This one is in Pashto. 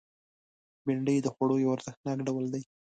بېنډۍ د خوړو یو ارزښتناک ډول دی